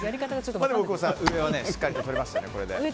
大久保さん上はしっかりとれましたね。